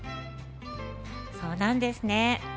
そうなんですね。